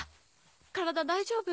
体大丈夫？